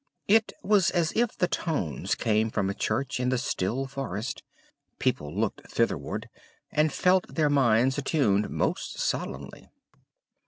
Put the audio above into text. It was as if the tones came from a church in the still forest; people looked thitherward, and felt their minds attuned most solemnly.